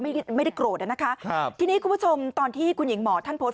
ไม่ได้ไม่ได้โกรธอ่ะนะคะครับทีนี้คุณผู้ชมตอนที่คุณหญิงหมอท่านโพสต์